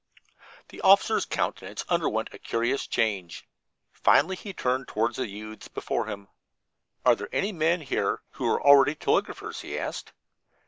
The officer's countenance underwent a curious change. Finally he turned toward the youths before him. "Are there any men here who are already telegraphers?" he asked.